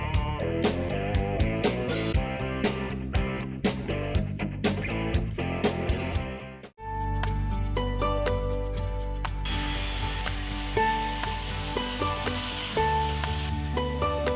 nah ini juga